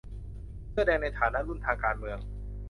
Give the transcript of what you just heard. เสื้อแดงในฐานะรุ่นทางการเมือง